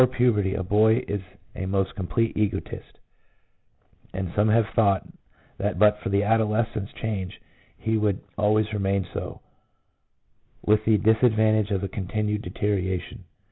155 puberty a boy is a most complete egotist, and some have thought that but for the adolescence change he would always remain so, with the disadvantage of a continued deterioration.